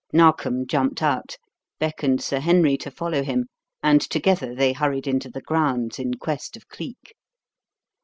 Narkom jumped out, beckoned Sir Henry to follow him, and together they hurried into the grounds in quest of Cleek.